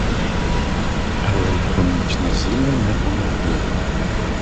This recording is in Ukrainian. Але й помічне зілля не помогло.